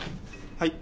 はい。